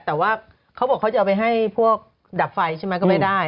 แต่ว่าเขาบอกเขาจะเอาไปให้พวกดับไฟใช่ไหมก็ไม่ได้